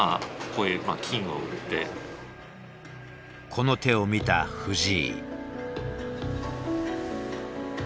この手を見た藤井。